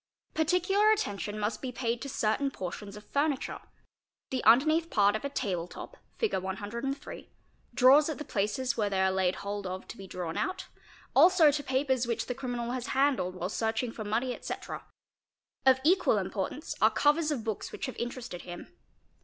Particular attention must be paid to certain portions of furniture. The underneath part of a table top (Fig. 103), drawers at the places where they are laid hold of to be drawn out, also to papers which the criminal has handled while searching for money, etc.; of equal import _ ance are covers of books which have interested him.